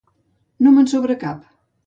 No me'n sobra cap.